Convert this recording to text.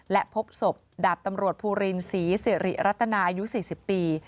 และพบศพดาบตำรวจภูรินศรีสิริรัตนาอายุ๔๐ปี